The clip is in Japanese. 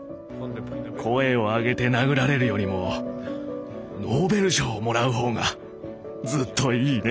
声を上げて殴られるよりもノーベル賞をもらう方がずっといいね。